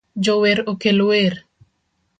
Jower okel wer